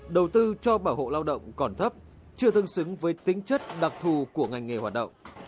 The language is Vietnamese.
đầu tư cho bảo hộ lao động còn thấp chưa tương xứng với tính chất đặc thù của ngành nghề hoạt động